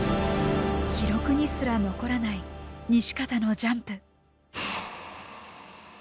記録にすら残らない西方のジャンプ。